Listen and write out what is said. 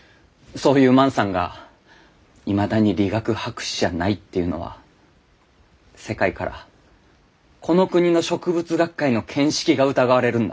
そういう万さんがいまだに理学博士じゃないっていうのは世界からこの国の植物学会の見識が疑われるんだ。